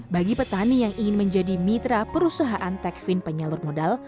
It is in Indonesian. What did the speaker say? bagi petani yang ingin menjadi mitra perusahaan techfin penyalur modal